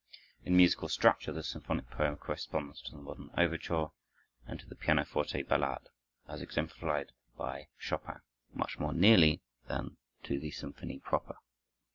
In musical structure the symphonic poem corresponds to the modern overture and to the pianoforte ballade, as exemplified by Chopin, much more nearly than to the symphony proper.